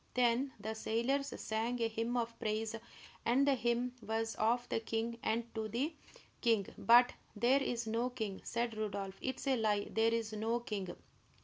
Then the sailors sang a hymn of praise, and the hymn was of the king and to the king. "But there is no king!" cried Rodolph. "It is a lie; there is no king!"